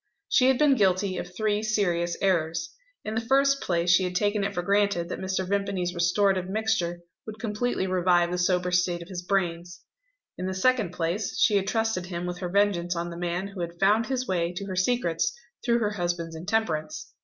She had been guilty of three serious errors. In the first place she had taken it for granted that Mr. Vimpany's restorative mixture would completely revive the sober state of his brains. In the second place, she had trusted him with her vengeance on the man who had found his way to her secrets through her husband's intemperance.